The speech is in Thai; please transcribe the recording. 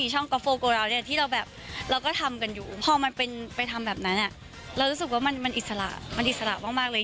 ช่องก็โฟล์โกราวที่เราก็ทำกันอยู่พอมันไปทำแบบนั้นเรารู้สึกว่ามันอิสระมากเลย